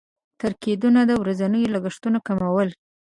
تر کېدونه د ورځنيو لګښتونو کمول.